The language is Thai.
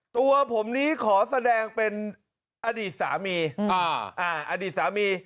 ตัวผมนี้ขอแสดงเป็นอดีตสามี